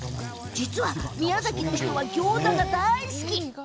実は宮崎の人はギョーザが大好き！